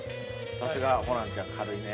さすがホランちゃん軽いね。